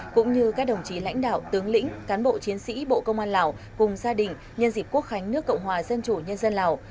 cũng như các đồng chí lãnh đạo tướng lĩnh cán bộ chiến sĩ bộ công an lào cùng gia đình nhân dịp quốc khánh nước cộng hòa dân chủ nhân dân lào